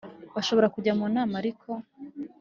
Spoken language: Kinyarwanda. Bashobora kujya nu nama ariko